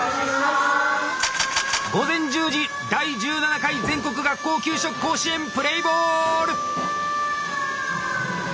午前１０時「第１７回全国学校給食甲子園」プレーボール！